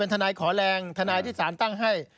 ทนายขอแรงทนายที่สารตั้งให้